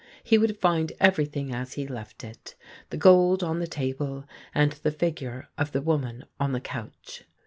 He would find everything as he left it — the gold on the table and the figure of the woman on the couch.